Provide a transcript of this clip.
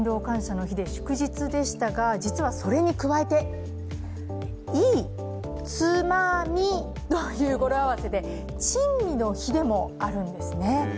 祝日でしたが実はそれに加えて１１２３という語呂合わせで、珍味の日でもあるんですね。